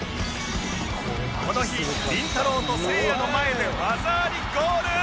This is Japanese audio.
この日りんたろー。とせいやの前で技ありゴール！